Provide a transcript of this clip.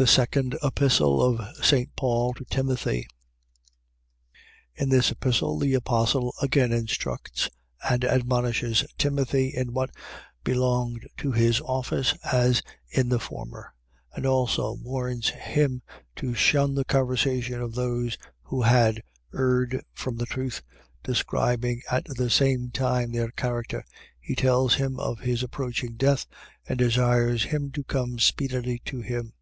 THE SECOND EPISTLE OF ST. PAUL TO TIMOTHY In this Epistle, the Apostle again instructs and admonishes Timothy in what belonged to his office, as in the former; and also warns him to shun the conversation of those who had erred from the truth, describing at the same time their character, He tells him of his approaching death and desires him to come speedily to him.